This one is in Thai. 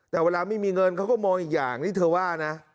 แต่เวลาไม่มีเงินเขาก็มองอีกอย่างที่เธอว่านะ